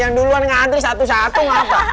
yang duluan ngantri satu satu ngapa